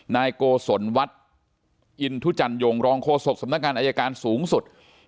นายโกศลวัดอินทุจันยงรองโฆษกสำนักงานอายการสูงสุด